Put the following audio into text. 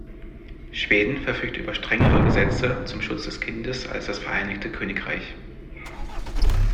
Schweden verfügt über strengere Gesetze zum Schutz des Kindes als das Vereinigte Königreich.